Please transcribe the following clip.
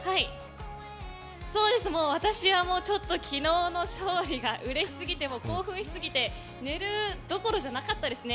私は昨日の勝利がうれしすぎて興奮しすぎて寝るどころじゃなかったですね。